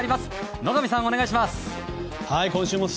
野上さん、お願いします。